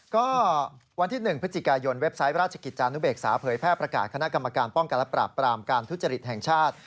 ก็วันที่๑พฤศจิกายนเว็บไซต์ราชกิจจานุเบกษาเผยแพร่ประกาศคณะกรรมการป้องกันและปราบปรามการทุจริตแห่งชาติ